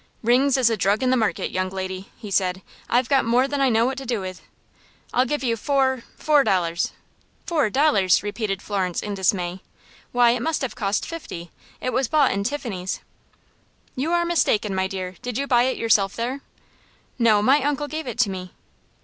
"Rings is a drug in the market, young lady," he said. "I've got more than I know what to do with. I'll give you four four dollars." "Four dollars!" repeated Florence, in dismay. "Why, it must have cost fifty. It was bought in Tiffany's." "You are mistaken, my dear. Did you buy it yourself there?" "No, my uncle gave it to me."